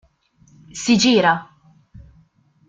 Si gira".